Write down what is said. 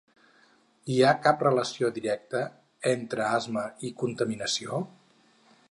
Hi ha cap relació directa entre asma i contaminació?